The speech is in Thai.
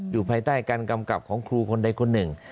อยู่ภายใต้การกำกับของครูคนใดคนหนึ่ง